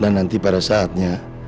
tapi nanti pada saatnya